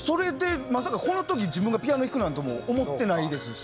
まさかこの時自分がピアノ弾くとは思ってないですし。